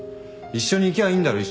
一緒に行きゃあいいんだろ。